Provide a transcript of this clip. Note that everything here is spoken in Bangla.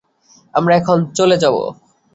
আমরা এখন চলে যাব।